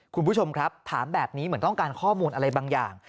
คุณผู้ชมครับถามแบบนี้เหมือนต้องการข้อมูลอะไรบางอย่าง